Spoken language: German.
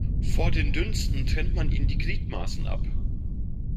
Vor dem Dünsten trennt man ihnen die Gliedmaßen ab.